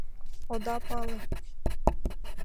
Ода пале?